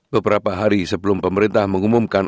beberapa hari sebelum pemerintah mengumumkan